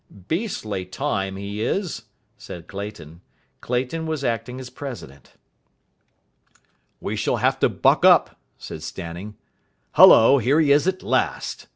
"Beastly time he is," said Clayton. Clayton was acting as president. "We shall have to buck up," said Stanning. "Hullo, here he is at last.